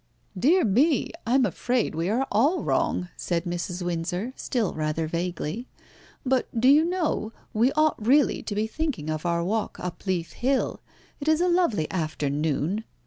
"Dear me! I am afraid we are all wrong," said Mrs. Windsor, still rather vaguely; "but do you know, we ought really to be thinking of our walk up Leith Hill. It is a lovely afternoon.